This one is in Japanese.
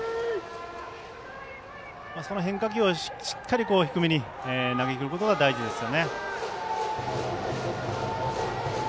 その変化球をしっかり低めに投げきることが大事ですよね。